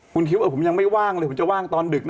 คุณคิดว่าผมยังไม่ว่างเลยผมจะว่างตอนดึกนะ